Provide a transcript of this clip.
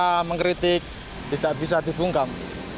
kita mengkritik tidak bisa di bungkam